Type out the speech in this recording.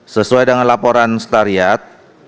sesuai dengan laporan setariat